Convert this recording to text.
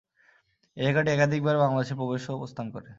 এই রেখাটি একাধিক বার বাংলাদেশে প্রবেশ ও প্রস্থান করে।